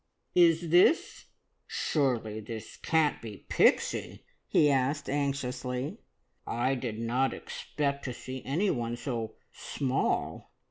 "Is this this surely can't be Pixie?" he asked anxiously. "I did not expect to see anyone so small.